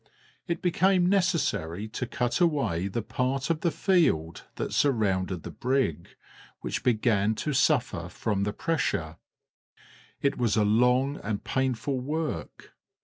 It became necessary to cut away the part of the field that surrounded the brig, which began to suffer from the pressure. It was a long and painful work.